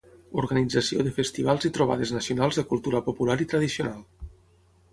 Organització de festivals i trobades nacionals de cultura popular i tradicional.